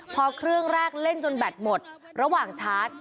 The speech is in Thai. พอเครื่องแรกเล่นจนแบตหมดระหว่างชาร์จ